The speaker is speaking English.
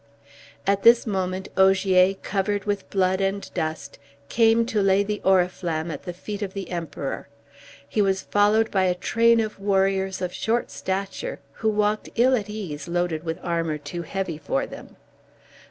At this moment Ogier, covered with blood and dust, came to lay the Oriflamme at the feet of the Emperor. He was followed by a train of warriors of short stature, who walked ill at ease loaded with armor too heavy for them.